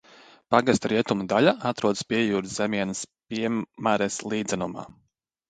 Pagasta rietumu daļa atrodas Piejūras zemienes Piemares līdzenumā.